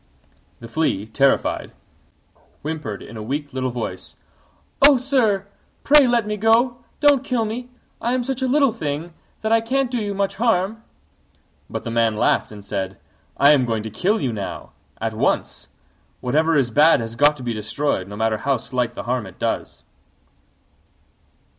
The Flea, terrified, whimpered in a weak little voice, "Oh, sir! pray let me go; don't kill me! I am such a little thing that I can't do you much harm." But the Man laughed and said, "I am going to kill you now, at once: whatever is bad has got to be destroyed, no matter how slight the harm it does."